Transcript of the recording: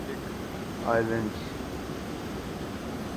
Cook Islands